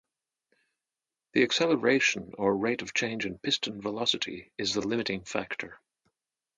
The acceleration, or rate of change in piston velocity, is the limiting factor.